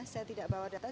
saya tidak bawa data